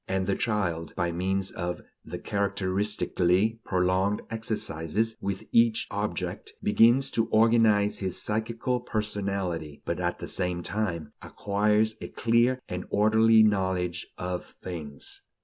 and the child, by means of the characteristically prolonged exercises with each object, begins to organize his psychical personality, but at the same time acquires a clear and orderly knowledge of things.